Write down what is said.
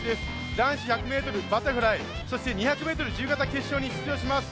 男子１００ｍバタフライそして、２００ｍ自由形決勝に出場します。